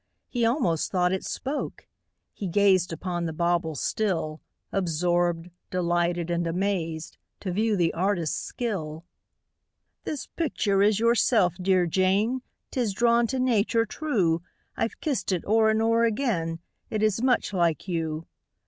He almost thought it spoke: he gazed Upon the bauble still, Absorbed, delighted, and amazed, To view the artist's skill. "This picture is yourself, dear Jane 'Tis drawn to nature true: I've kissed it o'er and o'er again, It is much like you."